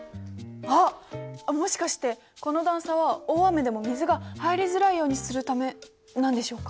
あっもしかしてこの段差は大雨でも水が入りづらいようにするためなんでしょうか？